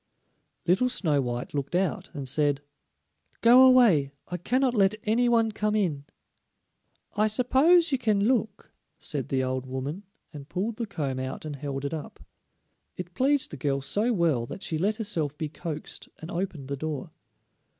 Little Snow white looked out and said: "Go away; I cannot let any one come in." "I suppose you can look," said the old woman, and pulled the comb out and held it up. It pleased the girl so well that she let herself be coaxed and opened the door.